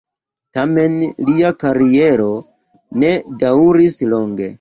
Tamen lia kariero ne daŭris longe.